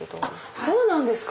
そうなんですか